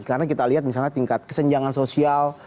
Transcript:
karena kita lihat misalnya tingkat kesenjangan sosial